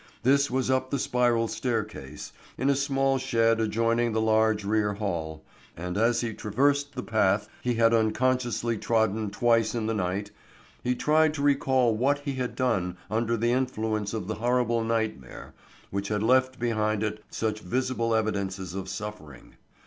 This was up the spiral staircase, in a small shed adjoining the large rear hall, and as he traversed the path he had unconsciously trodden twice in the night, he tried to recall what he had done under the influence of the horrible nightmare which had left behind it such visible evidences of suffering.